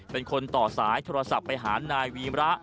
เป็นคนต่อสายโทรศัพท์ไปหานายวีมระ